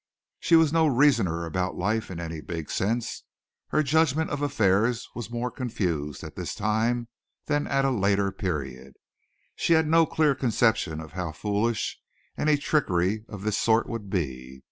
She was no reasoner about life in any big sense. Her judgment of affairs was more confused at this time than at a later period. She had no clear conception of how foolish any trickery of this sort would be.